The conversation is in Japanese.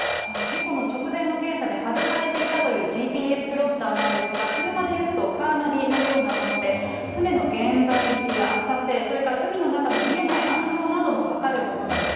事故の直前の検査で外されていたというＧＰＳプロッターなんですが、車でいうとカーナビのようなもので、船の現在位置や浅瀬、それから海の中の見えない暗礁なども分かるものだと。